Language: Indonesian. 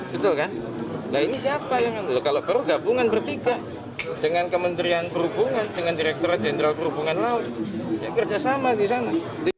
betul kan nah ini siapa yang kalau baru gabungan bertiga dengan kementerian perhubungan dengan direkturat jenderal perhubungan laut ya kerjasama di sana